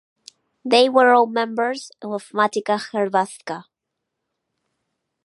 They were al members of Matica hrvatska.